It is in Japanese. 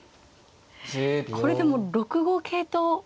これでも６五桂と。